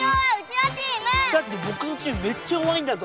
だって僕のチームめっちゃ弱いんだぞ！